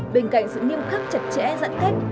bên cạnh sự nghiêm khắc chặt chẽ giãn cách